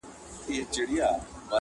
په قصاب چي دي وس نه رسېږي وروره؛